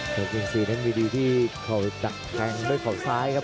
พยายามที่สี่นั้นมีดีที่เขาตัดแข่งด้วยข่าวซ้ายครับ